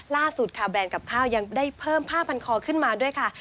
ล่าสุดค่ะแบรนด์กับข้าวยังได้เพิ่มผ้าพันคอขึ้นมาด้วยค่ะ